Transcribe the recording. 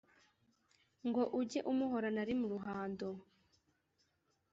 ngo ujye umuhorana ari mu ruhando,